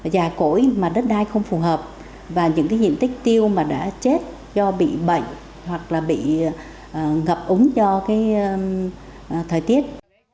già cổi mà đất đai không phù hợp và những cái diện tích tiêu mà đã chết do bị bệnh hoặc là bị ngập ống do cái thời tiết